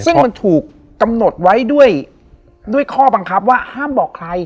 ซึ่งมันถูกกำหนดไว้ด้วยข้อบังคับว่าห้ามบอกใคร